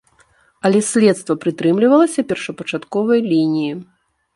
Але следства прытрымлівалася першапачатковай лініі.